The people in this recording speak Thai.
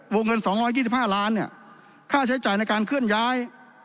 วงเงิน๒๒๕ล้านเนี่ยค่าใช้จ่ายในการเคลื่อนย้าย